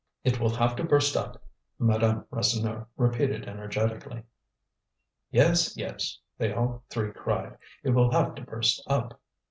"It will have to burst up," Madame Rasseneur repeated energetically. "Yes, yes," they all three cried. "It will have to burst up."